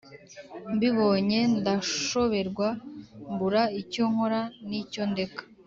Mbibonye ndashoberwa mbura icyo nkora nicyo ndeka